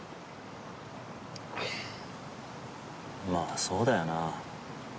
まあそうだよな。